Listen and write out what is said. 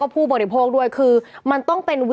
ผู้บริโภคด้วยคือมันต้องเป็น